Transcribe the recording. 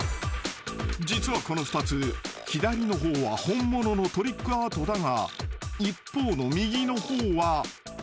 左の方は本物のトリックアートだが一方の右の方は］